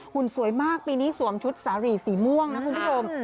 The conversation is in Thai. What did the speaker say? หุ่นสวยมากปีนี้สวมชุดสาหรี่สีม่วงนะคุณผู้ชม